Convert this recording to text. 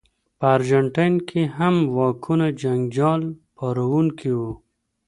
په ارجنټاین کې هم واکونه جنجال پاروونکي وو.